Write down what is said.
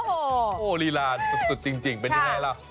โอ้โหลีลาสุดจริงเป็นยังไงล่ะ